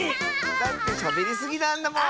だってしゃべりすぎなんだもん！